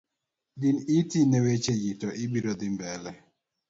Din iti ne wecheji to ibiro dhimbele.